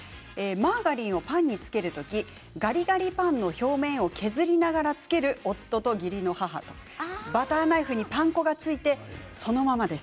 マーガリンをパンにつける時ガリガリパンの表面を削りながらつける夫と義理の母バターナイフにパン粉がついてそのままです。